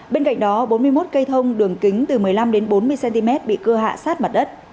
bên cạnh đó bốn mươi một cây thông đường kính từ một mươi năm bốn mươi cm bị cưa hạ sát mặt đất